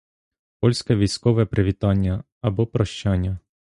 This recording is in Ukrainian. Польське військове привітання або прощання.